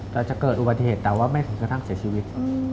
แต่จะเกิดอุบัติเหตุแต่ว่าไม่ถึงกระทั่งเสียชีวิต